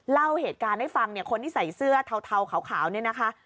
เล่าเหตุการณ์ให้ฟังเนี่ยคนที่ใส่เสื้อเทาขาวเนี่ยนะคะ